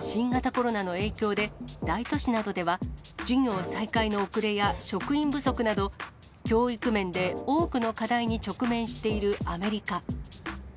新型コロナの影響で、大都市などでは授業再開の遅れや職員不足など、教育面で多くの課題に直面しているアメリカ。